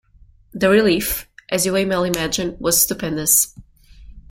The relief, as you may well imagine, was stupendous.